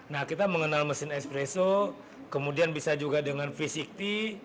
nah kita mengenal mesin espresso kemudian bisa juga dengan free sikti